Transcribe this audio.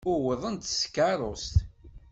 Uwḍen-d s tkeṛṛust.